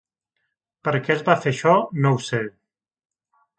Per què es va fer això, no ho sé.